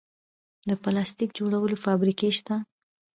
د پلاستیک جوړولو فابریکې شته